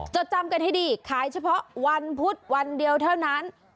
จดจำกันให้ดีขายเฉพาะวันพุธวันเดียวเท่านั้น